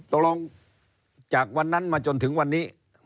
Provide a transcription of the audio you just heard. ตกลงจากวันนั้นมาจนถึงวันนี้